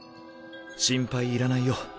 心配いらないよ。